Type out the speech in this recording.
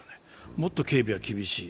もっと警備は厳しい。